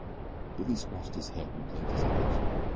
Billy scratched his head, and blinked his eyes.